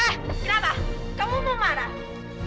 eh kenapa kamu mau marah